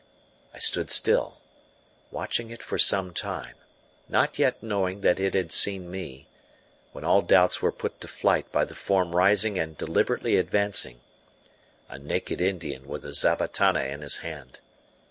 I stood still, watching it for some time, not yet knowing that it had seen me, when all doubts were put to flight by the form rising and deliberately advancing a naked Indian with a zabatana in his hand.